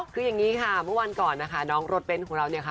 คืออย่างนี้ค่ะเมื่อวันก่อนนะคะน้องรถเบ้นของเราเนี่ยค่ะ